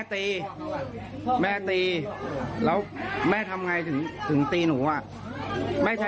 ตีแม่ตีแล้วแม่ทำไงถึงตีหนูอ่ะไม่ใช่